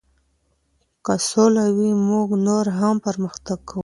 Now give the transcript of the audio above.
که سوله وي موږ نور هم پرمختګ کوو.